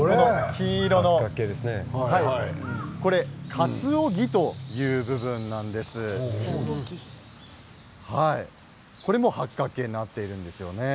金色の、これは鰹木という部分なんですけれどもこれも八角形になっているんですよね。